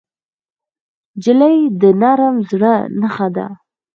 نجلۍ د نرم زړه نښه ده.